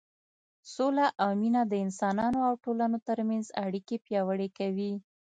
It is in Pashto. سوله او مینه د انسانانو او ټولنو تر منځ اړیکې پیاوړې کوي.